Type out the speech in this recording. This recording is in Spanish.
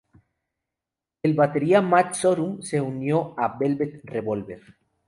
El batería Matt Sorum se unió a Velvet Revolver.